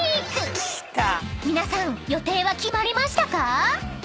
［皆さん予定は決まりましたか？］